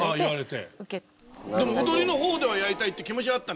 でも踊りの方ではやりたいって気持ちはあった？